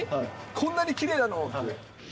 こんなにきれいなのって。